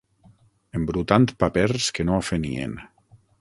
Embrutant papers que no ofenien.